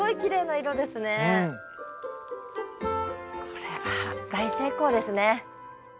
これは大成功ですね。